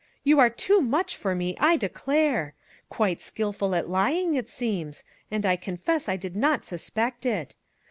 You are too much for me, I declare ! Quite skillful at lying, it seems; and I confess I did not suspect it.